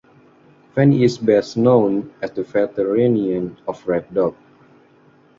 Fenny is best known as the veterinarian of Red Dog.